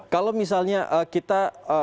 kalau misalnya kita